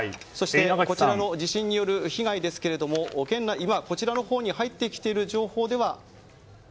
こちらの地震による被害ですけれども今、こちらに入ってきている情報では。